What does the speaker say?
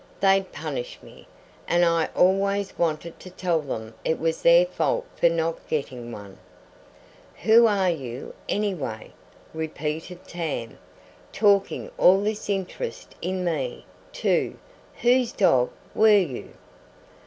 They'd punish me, and I always wanted to tell them it was their fault for not getting one." "Who are you, anyway?" repeated Tam. "Talking all this interest in me, too. Whose dog were you?"